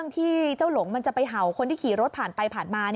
ที่เจ้าหลงมันจะไปเห่าคนที่ขี่รถผ่านไปผ่านมา